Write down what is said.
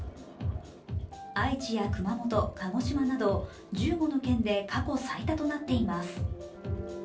愛知や熊本、鹿児島など１５の県で過去最多となっています。